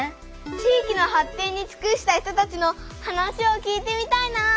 地域の発展につくした人たちの話を聞いてみたいな！